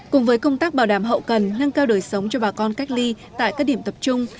cùng với công tác bảo đảm hậu cần nâng cao đời sống cho bà con cách ly tại các điểm tập trung